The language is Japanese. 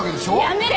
やめて！